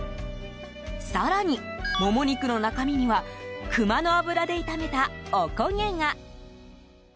更に、モモ肉の中身にはクマの脂で炒めたおこげが。